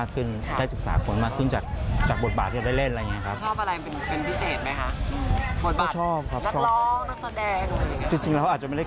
ก่อนที่จะไปถามเรื่องราวชีวิต